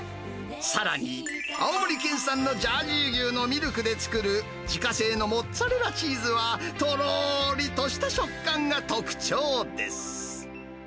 さらに、青森県産のジャージー牛のミルクで作る、自家製のモッツァレラチーズは、とろーりとした食感が特徴です。